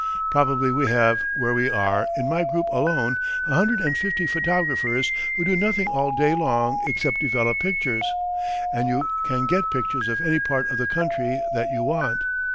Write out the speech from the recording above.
Probably we have, where we are, in my group alone, a hundred and fifty photographers who do nothing all day long except develop pictures, and you can get pictures of any part of the country that you want.